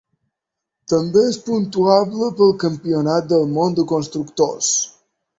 També és puntuable pel Campionat del món de constructors.